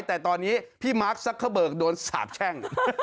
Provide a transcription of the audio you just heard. แต่ตอนนี้พี่มาร์คซักเกอร์เบิกโดนสาบแช่ง